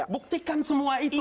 buktikan semua itu